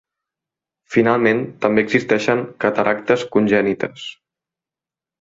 Finalment, també existeixen cataractes congènites.